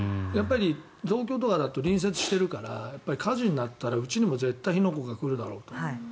東京とかだと隣接しているからうちにも絶対火の粉が来るだろうと。